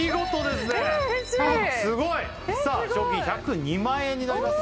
すごいさあ賞金１０２万円になります